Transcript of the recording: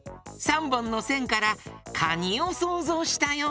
３ぼんのせんからかにをそうぞうしたよ！